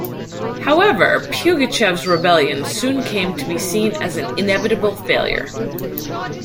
However, Pugachev's Rebellion soon came to be seen as an inevitable failure.